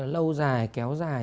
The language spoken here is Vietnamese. lâu dài kéo dài